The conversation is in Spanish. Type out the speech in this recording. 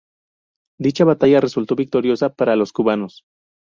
Dicha batalla resultó victoriosa para los cubanos.